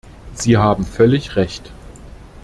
Sie haben völlig recht.